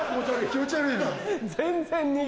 気持ち悪いな。